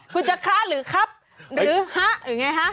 คุณจะค้าหรือครับหรือห๊าหรือยังไงฮะ